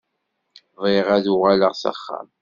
Bɣiɣ ad uɣaleɣ s axxam.